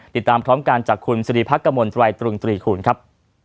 ติดตามพร้อมการจากคุณสิริพักกะมนต์วัยตรุงตรีขุนครับ